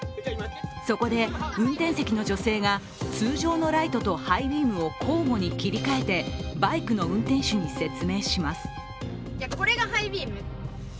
そこで運転席の女性が通常のライトとハイビームを交互に切り替えてバイクの運転手に説明します。